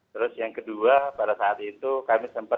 terus yang kedua pada saat itu kami sempat